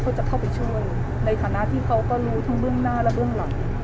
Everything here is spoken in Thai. จะเข้าไปช่วยในฐานะที่เขาก็รู้ทั้งเบื้องหน้าและเบื้องหลัง